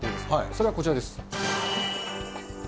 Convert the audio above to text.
それがこちらです。